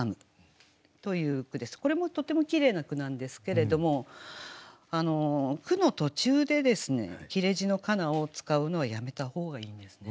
これもとてもきれいな句なんですけれども句の途中で切字の「かな」を使うのはやめた方がいいんですね。